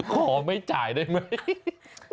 ขอไม่จ่ายได้ไหม